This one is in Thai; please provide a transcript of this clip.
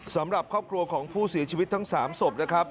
สำหรับครอบครัวของผู้เสียชีวิตทั้ง๓ศพนะครับ